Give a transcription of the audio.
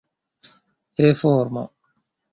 reformo